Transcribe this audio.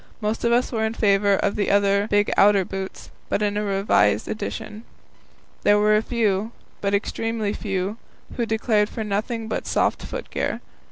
Most of us were in favour of the big outer boots, but in a revised edition. There were a few but extremely few who declared for nothing but soft foot gear.